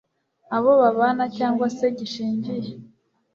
abo babana cyangwa se gishingiye